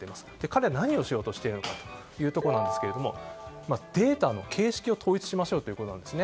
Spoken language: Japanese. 彼ら何をしようとしてるのかというところですがデータの形式を統一しましょうということです。